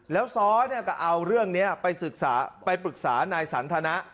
แล้วซ้อเนี่ยก็เอาเรื่องนี้ไปศึกษาไปปรึกษานายสันทนะ